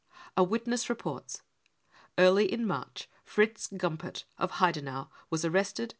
A witness reports :" Early in March, Fritz Gumpert, of Heidenau, was arrested.